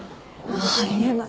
あり得ない。